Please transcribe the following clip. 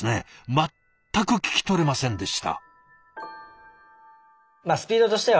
全く聞き取れませんでした。